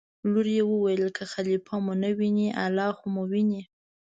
لور یې وویل: که خلیفه مو نه ویني الله خو مو ویني.